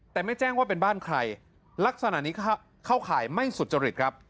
แต่ไม่แจ้งว่าเป็นบ้านใครลักษณะนี้เข้าข่ายไม่สุจริตครับ